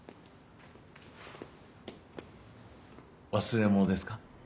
忘れ物ですか？